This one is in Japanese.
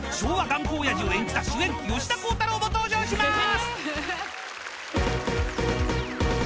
頑固親父を演じた主演吉田鋼太郎も登場しまーす！］